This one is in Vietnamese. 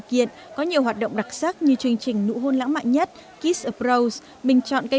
kiện có nhiều hoạt động đặc sắc như chương trình nụ hôn lãng mạn nhất kiss of rose bình chọn cây